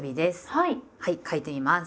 はい書いてみます。